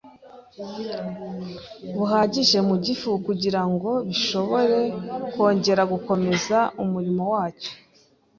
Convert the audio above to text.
buhagije mu gifu kugira ngo gishobore kongera gukomeza umurimo wacyo.